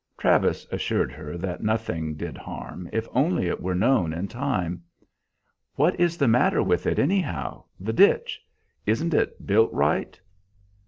Travis assured her that nothing did harm if only it were known in time. "What is the matter with it, anyhow, the ditch? Isn't it built right?"